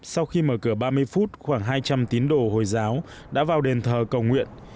sau khi mở cửa ba mươi phút khoảng hai trăm linh tín đồ hồi giáo đã vào đền thờ cầu nguyện